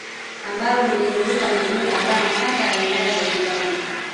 Ambalo limezunguka maeneo kadhaa mpaka ya wilaya za jirani